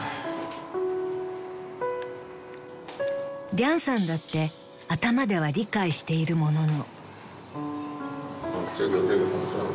［リャンさんだって頭では理解しているものの］